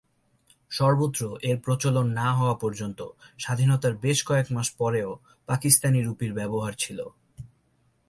সর্বত্র এর প্রচলন না হওয়া পর্যন্ত স্বাধীনতার বেশ কয়েক মাস পরেও পাকিস্তানি রুপির ব্যবহার ছিল।